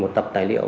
một tập tài liệu